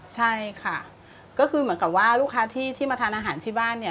ใช่ค่ะก็คือเหมือนกับว่าลูกค้าที่มาทานอาหารที่บ้านเนี่ย